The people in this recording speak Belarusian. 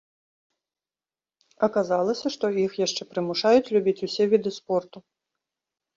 Аказалася, што іх яшчэ прымушаюць любіць усе віды спорту.